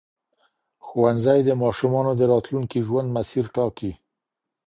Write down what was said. ښوونځی د ماشومانو د راتلونکي ژوند مسیر ټاکي.